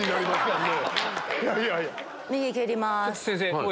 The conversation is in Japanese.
右蹴ります。